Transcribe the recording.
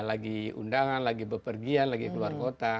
lagi undangan lagi bepergian lagi keluar kota